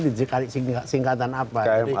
dijekat singkatan apa